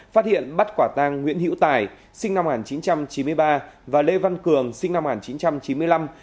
phát hiện bắt quả tang nguyễn hữu tài sinh năm một nghìn chín trăm chín mươi ba và lê văn cường sinh năm một nghìn chín trăm chín mươi năm